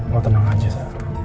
lo tenang aja sa